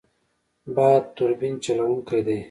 باد توربین چلوونکی دی.